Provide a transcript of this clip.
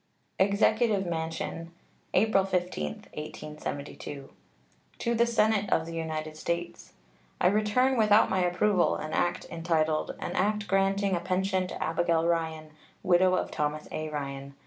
EXECUTIVE MANSION, April 15, 1872. To the Senate of the United States: I return without my approval an act entitled "An act granting a pension to Abigail Ryan, widow of Thomas A. Ryan."